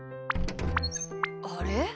あれ？